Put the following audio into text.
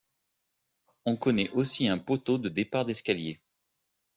On connaît aussi un poteau de départ d'escalier.